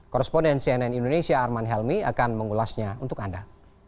korresponden cnn indonesia arman helmy akan mengulasnya untuk anda